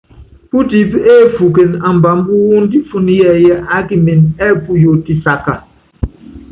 Pútiipɛ́ efuuken ambaambá wu ndífunɔ́ yɛɛyɛ́ a kimɛn ɛ́ɛ puyo tisáka.